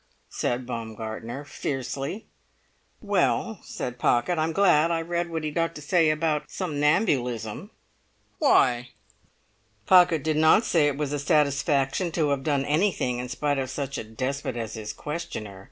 said Baumgartner, fiercely. "Well," said Pocket, "I'm glad I read what he'd got to say about somnambulism." "Why?" Pocket did not say it was a satisfaction to have done anything in spite of such a despot as his questioner.